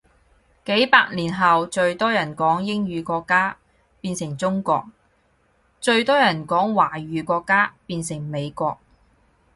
幾百年後最人多講英語國家變成中國，最多人講華語國家變成美國